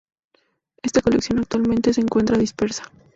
Esta colección actualmente se encuentra dispersa.